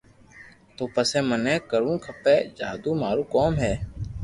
تو پسو مني ڪرووہ کپي جلدو مارو ڪوم ڪرو